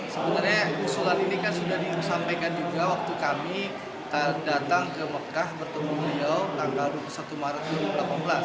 sebenarnya usulan ini kan sudah disampaikan juga waktu kami datang ke mekah bertemu beliau tanggal dua puluh satu maret dua ribu delapan belas